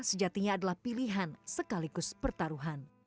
sejatinya adalah pilihan sekaligus pertaruhan